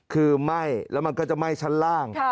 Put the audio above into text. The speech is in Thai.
คือไหม้แล้วมันก็จะไหม้ชั้นล่าง